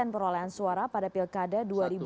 perolehan suara pada pilkada dua ribu dua puluh